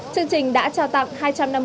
chương trình đã trao tặng